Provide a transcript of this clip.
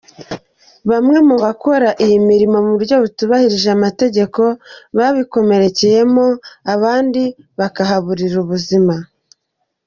Bamwe mu bakora iyo mirimo mu buryo butubahirije amategeko babikomerekeramo, abandi bakabiburiramo ubuzima.